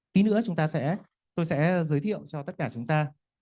tí nữa chúng ta sẽ tôi sẽ giới thiệu cho tất cả chúng ta